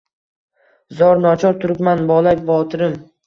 Zor, nochor turibman bola — botirim